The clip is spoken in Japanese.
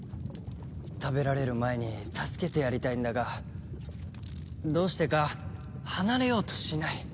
食べられる前に助けてやりたいんだがどうしてか離れようとしない。